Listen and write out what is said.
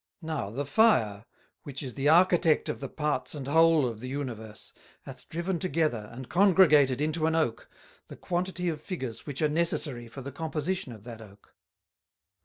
Now the Fire, which is the Architect of the parts and whole of the Universe, hath driven together, and Congregated into an Oak, the quantity of Figures which are necessary for the Composition of that Oak.